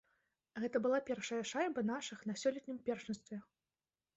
Гэта была першая шайба нашых на сёлетнім першынстве.